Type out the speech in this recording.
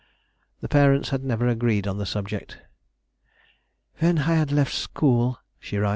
The parents had never agreed on the subject. "When I had left school," she writes, [Sidenote: 1767.